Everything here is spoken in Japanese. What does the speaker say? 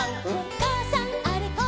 「かあさんあれこれ